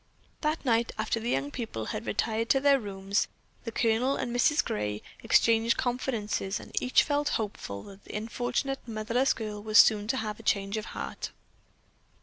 That night after the young people had retired to their rooms, the Colonel and Mrs. Gray exchanged confidences and each felt hopeful that the unfortunate motherless girl was soon to have a change of heart.